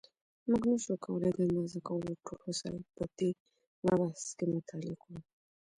مونږ نشو کولای د اندازه کولو ټول وسایل په دې مبحث کې مطالعه کړو.